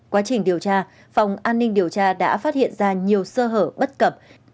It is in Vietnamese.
quá trình điều tra phòng an ninh điều tra đã phát hiện ra nhiều sơ hở bất cập